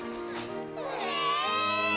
え！